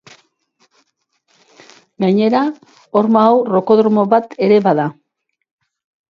Gainera, horma hau rokodromo bat ere bada.